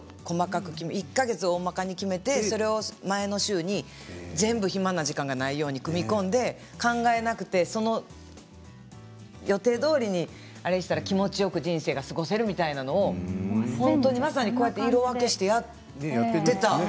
１か月をおおまかに決めて前の週に全部、暇な時間がないように組み込んで考えなくてその予定どおりにあれしたら気持ちよく人生が過ごせるみたいなものをまさに色分けしてやっている。